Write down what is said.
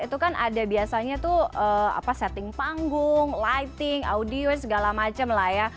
itu kan ada biasanya tuh setting panggung lighting audio segala macam lah ya